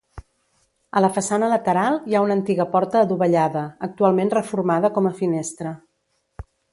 A la façana lateral hi ha una antiga porta adovellada, actualment reformada com a finestra.